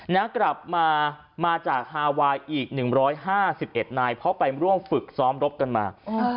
นะกลับมามาจากฮาไวน์อีก๑๕๑นายเพราะไปร่วมฝึกซ้อมรบกันมา